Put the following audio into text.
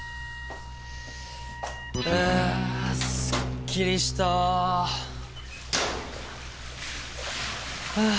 ああすっきりした！ああ。